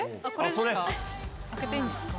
開けていいんですか。